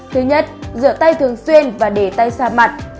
thứ nhất rửa tay thường xuyên và để tay xa mặt